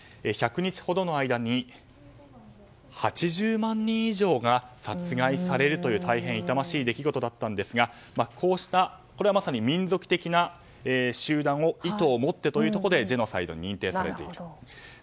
１００日ほどの間に８０万人以上が殺害されるという、大変痛ましい出来事だったんですがこれはまさに民族的な集団を意図を持ってということでジェノサイドに認定されました。